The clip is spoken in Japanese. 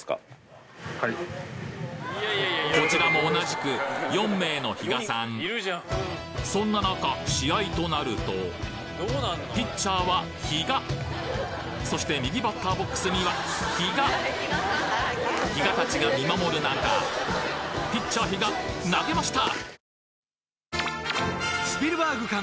こちらもそんな中試合となるとピッチャーは比嘉そして右バッターボックスには比嘉比嘉たちが見守る中ピッチャー比嘉投げました！